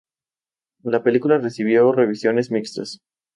La película recibió revisiones mixtas.